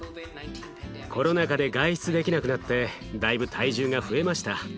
コロナ禍で外出できなくなってだいぶ体重が増えました。